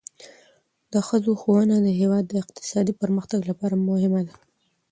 د ښځو ښوونه د هیواد د اقتصادي پرمختګ لپاره مهمه ده.